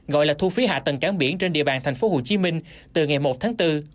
gọi là thu phí hạ tầng cán biển trên địa bàn tp hcm từ ngày một tháng bốn